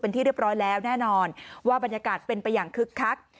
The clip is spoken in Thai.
เป็นที่เรียบร้อยแล้วแน่นอนว่าบรรยากาศเป็นไปอย่างคึกคัก